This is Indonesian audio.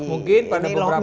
mungkin pada beberapa